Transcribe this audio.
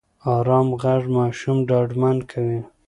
ارام غږ ماشوم ډاډمن کوي.